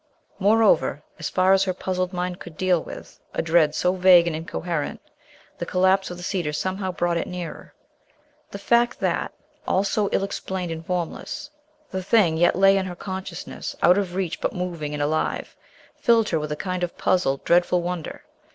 Moreover, as far as her puzzled mind could deal with a dread so vague and incoherent, the collapse of the cedar somehow brought it nearer. The fact that, all so ill explained and formless, the thing yet lay in her consciousness, out of reach but moving and alive, filled her with a kind of puzzled, dreadful wonder.